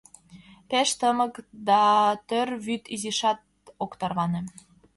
Пеш тымык да тӧр вӱд изишат ок тарване.